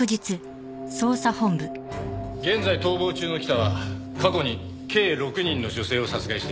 現在逃亡中の北は過去に計６人の女性を殺害しています。